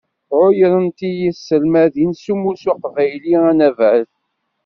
Ɛuyrent-iyi-d tselmadin s umussu aqbayli anabad.